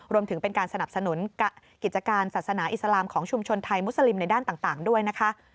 รวมถึงเป็นการสนับสนุนกิจการศาสนาอิสลามของชุมชนไทยมุสลิมในด้านต่างด้วยนะคะ